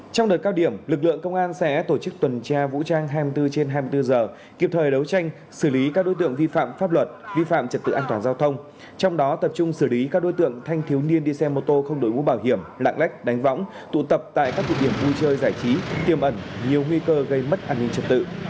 trong đợt cao điểm lực lượng công an sẽ tổ chức tuần tra vũ trang hai mươi bốn trên hai mươi bốn giờ kịp thời đấu tranh xử lý các đối tượng vi phạm pháp luật vi phạm trật tự an toàn giao thông trong đó tập trung xử lý các đối tượng thanh thiếu niên đi xe mô tô không đổi mũ bảo hiểm lạng lách đánh võng tụ tập tại các tụ điểm vui chơi giải trí tiêm ẩn nhiều nguy cơ gây mất an ninh trật tự